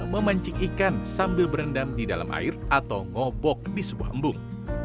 memancing ikan sambil berendam di dalam air atau ngobok di sebuah embung